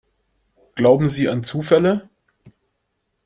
Glauben Sie an Zufälle?